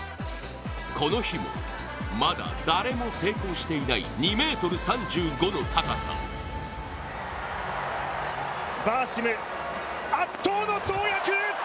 この日も、まだ誰も成功していない２ｍ３５の高さをバーシム、圧倒の跳躍！